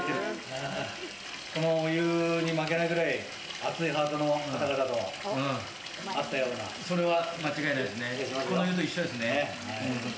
このお湯に負けないぐらい熱いハートの方々とそれは間違いない。